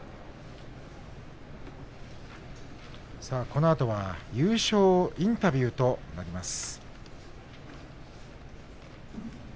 このあと優勝インタビューになります。